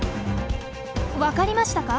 分かりましたか？